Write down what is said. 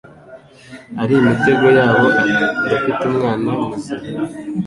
Ari imitego yabo Ati: ndafite umwana muzima